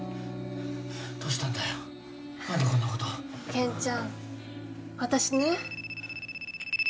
健ちゃん私ね。